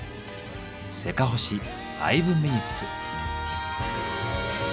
「せかほし５ｍｉｎ．」。